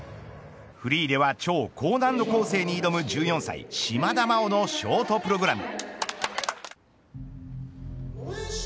フリーでは超高難度構成に挑む１４歳島田麻央のショートプログラム。